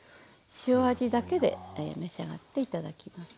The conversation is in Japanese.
塩味だけで召し上がって頂きます。